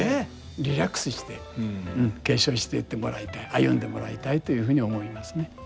リラックスして継承していってもらいたい歩んでもらいたいというふうに思いますね。